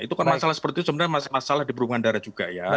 itu kan masalah seperti itu sebenarnya masalah di perhubungan darat juga ya